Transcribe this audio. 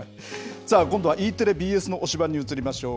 さあ今度は、Ｅテレ、ＢＳの推しバン！に移りましょう。